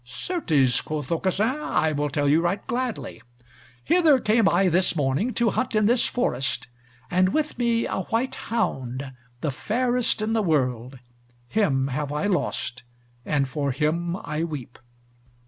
"Certes," quoth Aucassin, "I will tell you right gladly. Hither came I this morning to hunt in this forest; and with me a white hound, the fairest in the world; him have I lost, and for him I weep."